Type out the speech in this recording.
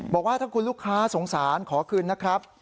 บอกว่าถ้าคุณลูกค้าสงสารขอคืนนะครับ